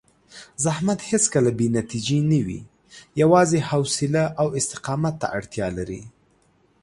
زحمت هېڅکله بې نتیجې نه وي، یوازې حوصله او استقامت ته اړتیا لري.